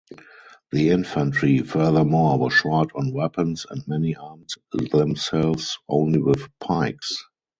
The infantry, furthermore, was short on weapons and many armed themselves only with pikes.